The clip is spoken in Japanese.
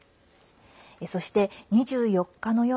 そして２４日の夜